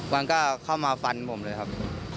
มันก็เข้ามาฟันผมเลยครับ